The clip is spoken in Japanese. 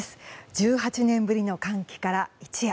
１８年ぶりの歓喜から一夜。